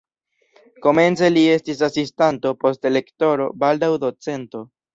Komence li estis asistanto, poste lektoro, baldaŭ docento.